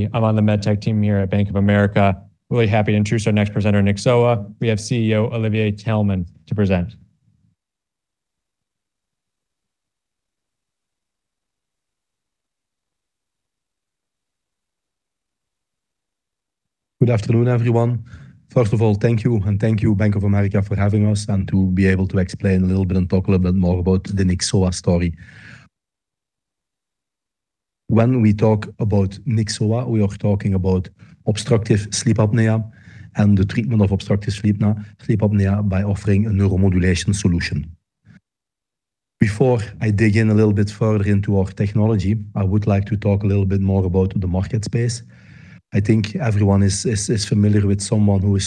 I'm on the Med-Tech team here at Bank of America. Really happy to introduce our next presenter, Nyxoah. We have Chief Executive Officer, Olivier Taelman to present. Good afternoon, everyone. First of all, thank you, and thank you Bank of America for having us and to be able to explain a little bit and talk a little bit more about the Nyxoah story. When we talk about Nyxoah, we are talking about obstructive sleep apnea and the treatment of obstructive sleep apnea by offering a neuromodulation solution. Before I dig in a little bit further into our technology, I would like to talk a little bit more about the market space. I think everyone is familiar with someone who is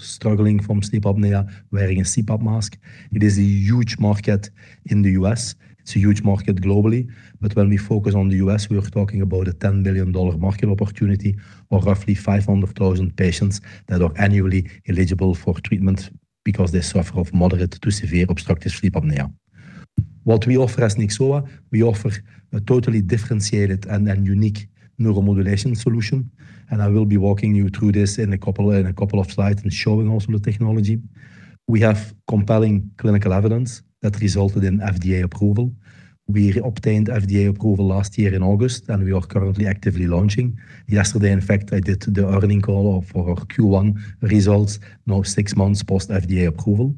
struggling from sleep apnea wearing a CPAP mask. It is a huge market in the U.S. It's a huge market globally. When we focus on the U.S., we are talking about a $10 billion market opportunity or roughly 500,000 patients that are annually eligible for treatment because they suffer of moderate to severe obstructive sleep apnea. What we offer as Nyxoah, we offer a totally differentiated and unique neuromodulation solution, and I will be walking you through this in a couple of slides and showing also the technology. We have compelling clinical evidence that resulted in FDA approval. We obtained FDA approval last year in August, and we are currently actively launching. Yesterday, in fact, I did the earnings call for Q1 results, now 6 months post FDA approval.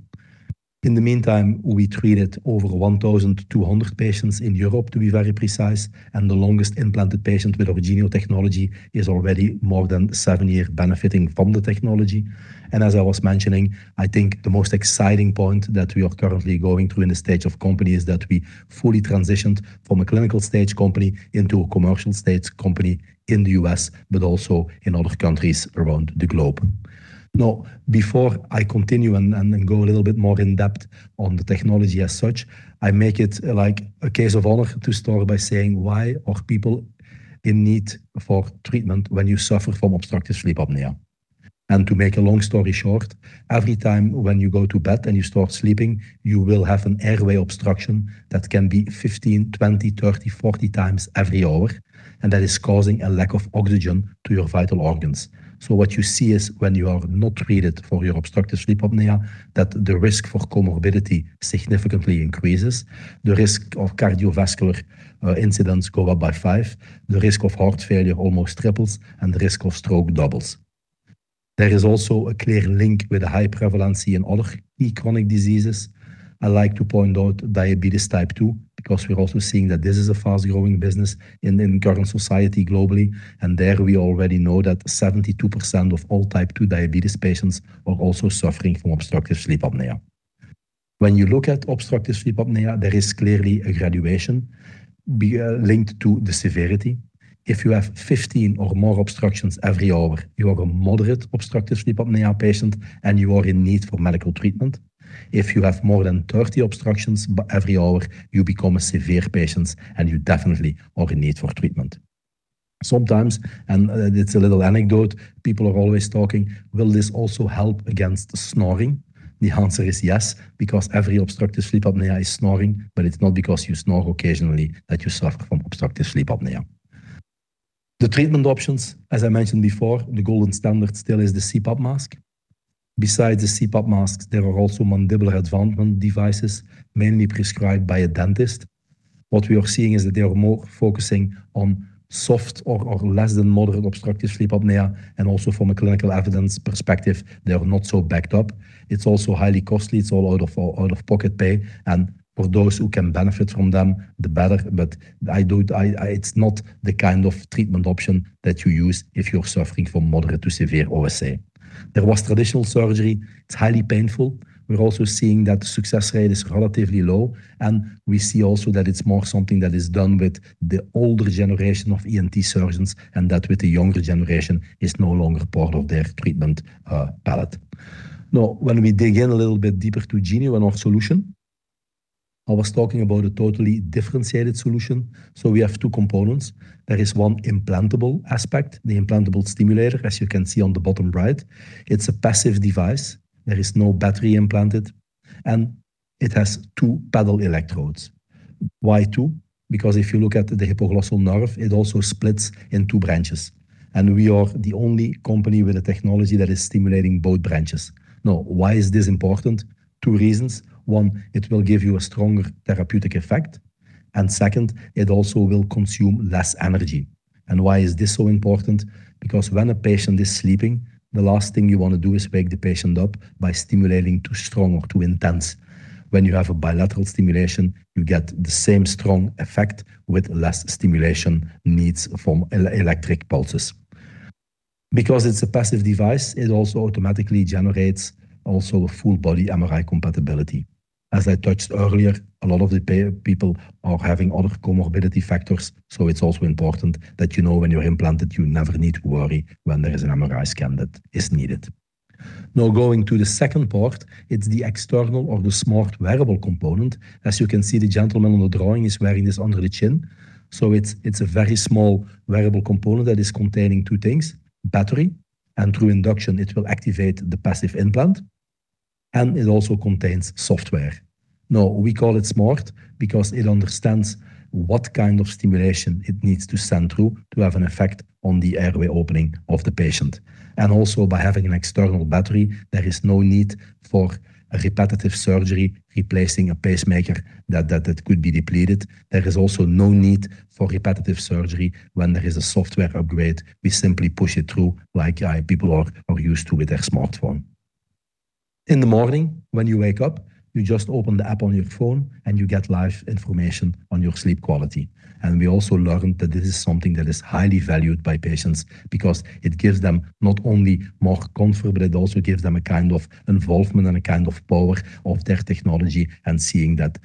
In the meantime, we treated over 1,200 patients in Europe, to be very precise. The longest implanted patient with our Genio technology is already more than seven-years benefiting from the technology. As I was mentioning, I think the most exciting point that we are currently going through in the stage of company is that we fully transitioned from a clinical stage company into a commercial stage company in the U.S., but also in other countries around the globe. Before I continue and go a little bit more in depth on the technology as such, I make it like a case of honor to start by saying why are people in need for treatment when you suffer from obstructive sleep apnea. To make a long story short, every time when you go to bed and you start sleeping, you will have an airway obstruction that can be 15, 20, 30, 40x every hour, and that is causing a lack of oxygen to your vital organs. What you see is when you are not treated for your obstructive sleep apnea, that the risk for comorbidity significantly increases. The risk of cardiovascular incidents go up by five. The risk of heart failure almost triples, and the risk of stroke doubles. There is also a clear link with a high prevalency in other chronic diseases. I like to point out diabetes type 2, because we are also seeing that this is a fast-growing business in the current society globally. There we already know that 72% of all diabetes type 2 patients are also suffering from obstructive sleep apnea. When you look at obstructive sleep apnea, there is clearly a graduation linked to the severity. If you have 15 or more obstructions every hour, you are a moderate obstructive sleep apnea patient, and you are in need for medical treatment. If you have more than 30 obstructions every hour, you become a severe patient, and you definitely are in need for treatment. Sometimes, it's a little anecdote, people are always talking, will this also help against snoring? The answer is yes, because every obstructive sleep apnea is snoring, but it's not because you snore occasionally that you suffer from obstructive sleep apnea. The treatment options, as I mentioned before, the golden standard still is the CPAP mask. Besides the CPAP masks, there are also mandibular advancement devices, mainly prescribed by a dentist. What we are seeing is that they are more focusing on soft or less than moderate obstructive sleep apnea. Also from a clinical evidence perspective, they are not so backed up. It's also highly costly. It's all out of pocket pay. For those who can benefit from them, the better. It's not the kind of treatment option that you use if you're suffering from moderate to severe OSA. There was traditional surgery. It's highly painful. We're also seeing that success rate is relatively low, and we see also that it's more something that is done with the older generation of ENT surgeons, and that with the younger generation is no longer part of their treatment palette. When we dig in a little bit deeper to Genio and our solution, I was talking about a totally differentiated solution, so we have two components. There is one implantable aspect, the implantable stimulator, as you can see on the bottom right. It's a passive device. There is no battery implanted, and it has two paddle electrodes. Why two? Because if you look at the hypoglossal nerve, it also splits in two branches. We are the only company with a technology that is stimulating both branches. Why is this important? two reasons. one, it will give you a stronger therapeutic effect, second, it also will consume less energy. Why is this so important? Because when a patient is sleeping, the last thing you want to do is wake the patient up by stimulating too strong or too intense. When you have a bilateral stimulation, you get the same strong effect with less stimulation needs from electric pulses. It's a passive device, it also automatically generates also a full body MRI compatibility. As I touched earlier, a lot of the people are having other comorbidity factors, it's also important that you know when you're implanted, you never need to worry when there is an MRI scan that is needed. Going to the second part, it's the external or the smart wearable component. As you can see, the gentleman on the drawing is wearing this under the chin. It's a very small wearable component that is containing two things, battery, and through induction, it will activate the passive implant. It also contains software. Now, we call it smart because it understands what kind of stimulation it needs to send through to have an effect on the airway opening of the patient. Also by having an external battery, there is no need for repetitive surgery replacing a pacemaker that it could be depleted. There is also no need for repetitive surgery when there is a software upgrade. We simply push it through like people are used to with their smartphone. In the morning when you wake up, you just open the app on your phone and you get live information on your sleep quality. We also learned that this is something that is highly valued by patients because it gives them not only more comfort, but it also gives them a kind of involvement and a kind of power of their technology and seeing that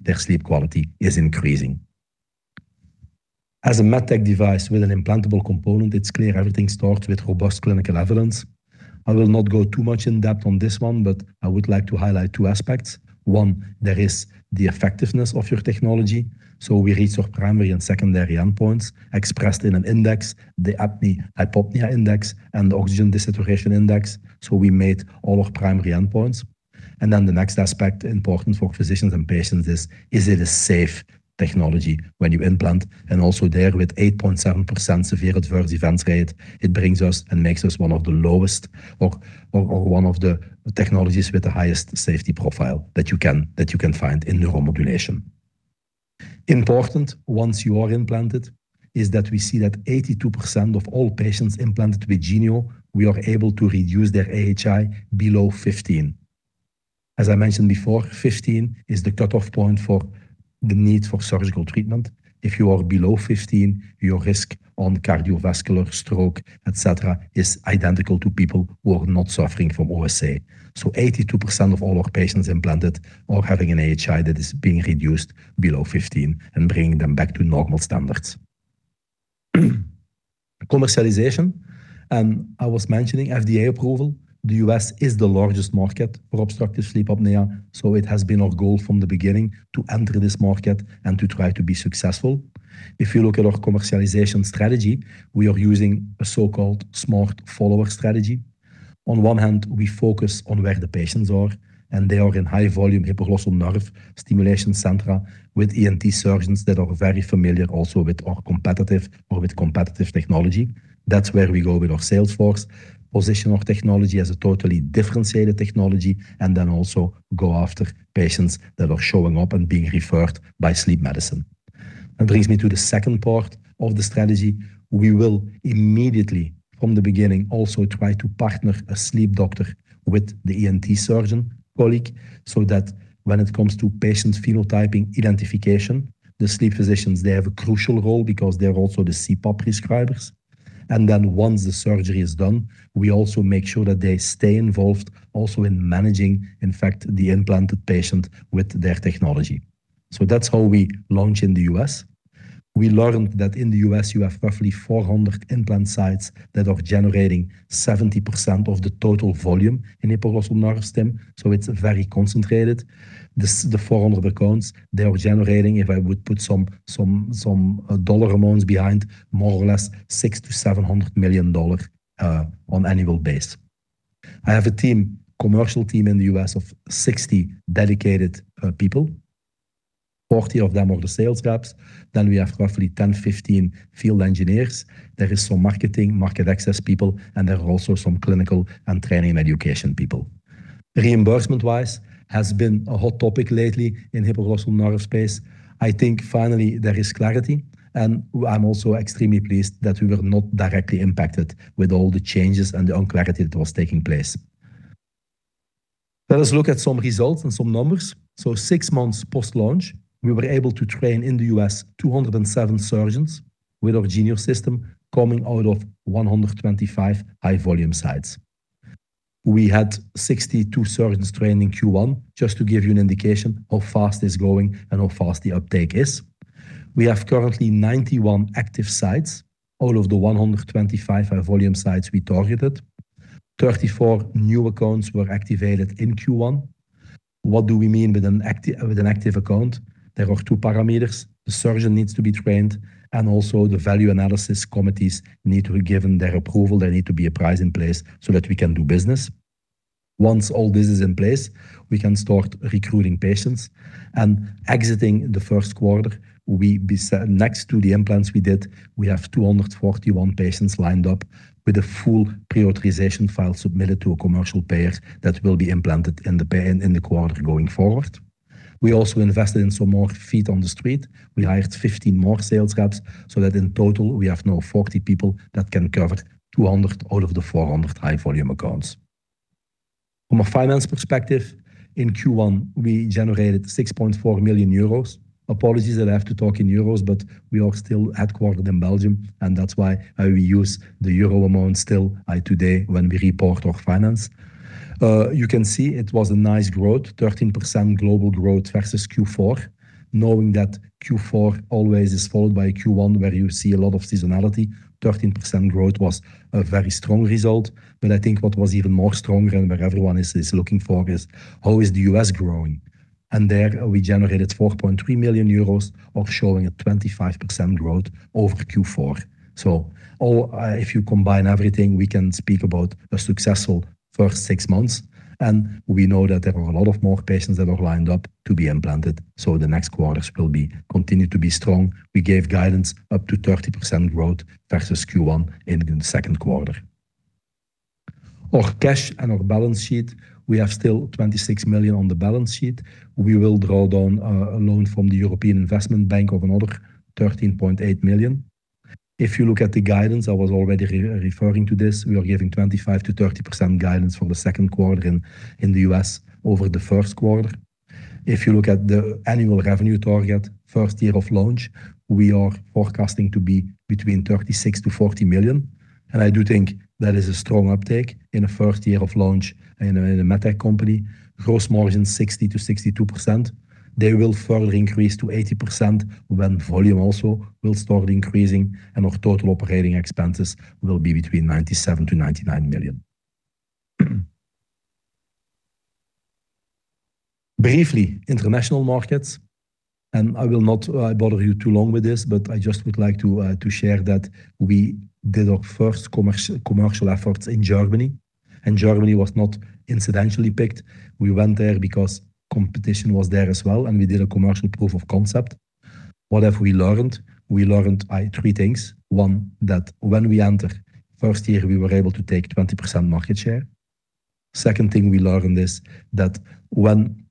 their sleep quality is increasing. As a med tech device with an implantable component, it's clear everything starts with robust clinical evidence. I will not go too much in depth on this one, but I would like to highlight two aspects. One, there is the effectiveness of your technology. We reach our primary and secondary endpoints expressed in an index, the apnea-hypopnea index and the oxygen desaturation index. We made all our primary endpoints. The next aspect important for physicians and patients is it a safe technology when you implant? Also there with 8.7% severe adverse events rate, it brings us and makes us one of the lowest or one of the technologies with the highest safety profile that you can, that you can find in neuromodulation. Important once you are implanted is that we see that 82% of all patients implanted with Genio, we are able to reduce their AHI below 15. As I mentioned before, 15 is the cutoff point for the need for surgical treatment. If you are below 15, your risk on cardiovascular stroke, et cetera, is identical to people who are not suffering from OSA. 82% of all our patients implanted are having an AHI that is being reduced below 15 and bringing them back to normal standards. Commercialization, I was mentioning FDA approval. The U.S. is the largest market for obstructive sleep apnea, so it has been our goal from the beginning to enter this market and to try to be successful. If you look at our commercialization strategy, we are using a so-called smart follower strategy. On one hand, we focus on where the patients are, and they are in high volume hypoglossal nerve stimulation center with ENT surgeons that are very familiar also with our competitive or with competitive technology. That's where we go with our sales force. Position our technology as a totally differentiated technology and then also go after patients that are showing up and being referred by sleep medicine. That brings me to the second part of the strategy. We will immediately from the beginning also try to partner a sleep doctor with the ENT surgeon colleague, so that when it comes to patient phenotyping identification, the sleep physicians, they have a crucial role because they're also the CPAP prescribers. Once the surgery is done, we also make sure that they stay involved also in managing, in fact, the implanted patient with their technology. That's how we launch in the U.S. We learned that in the U.S. you have roughly 400 implant sites that are generating 70% of the total volume in hypoglossal nerve stim. It's very concentrated. The 400 accounts, they are generating, if I would put some dollar amounts behind, more or less $600 million-$700 million on annual base. I have a team, commercial team in the U.S. of 60 dedicated people. 40 of them are the sales reps. We have roughly 10, 15 field engineers. There is some marketing, market access people, and there are also some clinical and training and education people. Reimbursement-wise has been a hot topic lately in hypoglossal nerve space. I think finally there is clarity, and I'm also extremely pleased that we were not directly impacted with all the changes and the unclarity that was taking place. Let us look at some results and some numbers. Six months post-launch, we were able to train in the U.S. 207 surgeons with our Genio system coming out of 125 high volume sites. We had 62 surgeons trained in Q1, just to give you an indication how fast it's going and how fast the uptake is. We have currently 91 active sites, all of the 125 high volume sites we targeted. 34 new accounts were activated in Q1. What do we mean with an active account? There are two parameters. The surgeon needs to be trained, and also the value analysis committees need to be given their approval. There need to be a price in place so that we can do business. Once all this is in place, we can start recruiting patients. Exiting the first quarter, next to the implants we did, we have 241 patients lined up with a full pre-authorization file submitted to a commercial payer that will be implanted in the pay in the quarter going forward. We also invested in some more feet on the street. We hired 15 more sales reps so that in total we have now 40 people that can cover 200 out of the 400 high volume accounts. From a finance perspective, in Q1 we generated 6.4 million euros. Apologies that I have to talk in Euros, but we are still headquartered in Belgium and that's why I will use the euro amount still today when we report our finance. You can see it was a nice growth, 13% global growth versus Q4. Knowing that Q4 always is followed by Q1 where you see a lot of seasonality, 13% growth was a very strong result. I think what was even more stronger and what everyone is looking for is how is the U.S. growing. There, we generated 4.3 million euros of showing a 25% growth over Q4. If you combine everything, we can speak about a successful first six months, and we know that there are a lot of more patients that are lined up to be implanted, the next quarters will be continued to be strong. We gave guidance up to 30% growth versus Q1 in the second quarter. Our cash and our balance sheet, we have still 26 million on the balance sheet. We will draw down a loan from the European Investment Bank of another 13.8 million. If you look at the guidance, I was already re-referring to this. We are giving 25%-30% guidance for the second quarter in the U.S. over the first quarter. If you look at the annual revenue target, first year of launch, we are forecasting to be between 36 million-40 million. I do think that is a strong uptake in the first year of launch in a medtech company. Gross margin, 60%-62%. They will further increase to 80% when volume also will start increasing. Our total OpEx will be between 97 million-99 million. Briefly, international markets, I will not bother you too long with this, but I just would like to share that we did our first commercial efforts in Germany. Germany was not incidentally picked. We went there because competition was there as well. We did a commercial proof of concept. What have we learned? We learned three things. One, that when we enter first year, we were able to take 20% market share. Second thing we learned is that when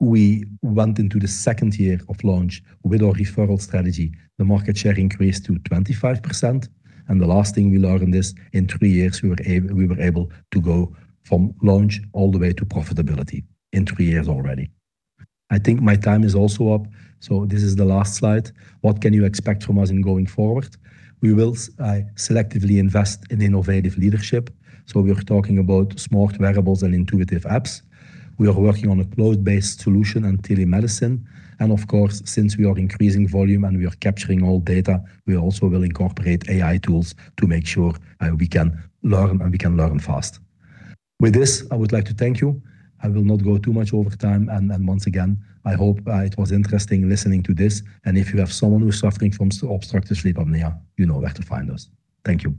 we went into the second year of launch with our referral strategy, the market share increased to 25%. The last thing we learned is in three years, we were able to go from launch all the way to profitability in three years already. I think my time is also up. This is the last slide. What can you expect from us in going forward? We will selectively invest in innovative leadership. We are talking about smart wearables and intuitive apps. We are working on a cloud-based solution and telemedicine. Of course, since we are increasing volume and we are capturing all data, we also will incorporate AI tools to make sure we can learn and we can learn fast. With this, I would like to thank you. I will not go too much over time, and once again, I hope it was interesting listening to this. If you have someone who is suffering from obstructive sleep apnea, you know where to find us. Thank you.